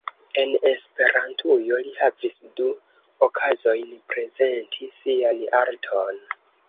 En Esperantujo li havis du okazojn prezenti sian arton.